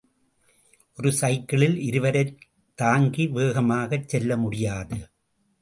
ஒரு சைக்கிளில் இருவரைத் தாங்கி வேகமாகச் செல்லமுடியாது.